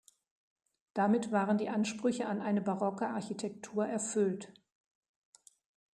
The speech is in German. Damit waren die Ansprüche an eine barocke Architektur erfüllt.